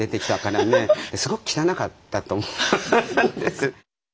すごく汚かったと思うんです。